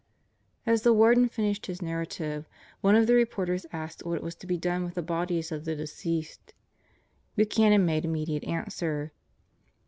As the Warden finished his narrative, one of the reporters asked what was to be done with the bodies of the deceased. Buchanan made Immediate answer.